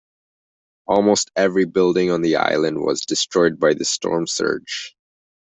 Almost every building on the island was destroyed by the storm surge.